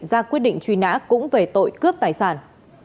ra quyết định truy nã cũng về tội cướp tài sản